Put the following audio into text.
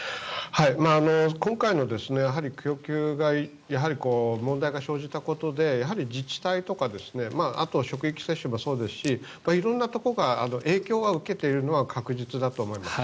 今回の供給が問題が生じたことでやはり自治体とかあとは職域接種もそうですし色んなところが影響は受けているのは確実だと思います。